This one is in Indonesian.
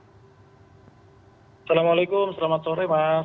assalamualaikum selamat sore mas